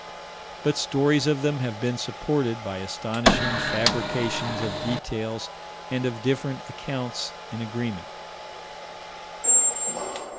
But stories of them have been supported by astonishing fabrications of details and of different accounts in agreement.